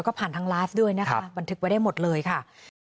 ก็ผ่านทางไลฟ์ด้วยนะคะบันทึกไว้ได้หมดเลยค่ะ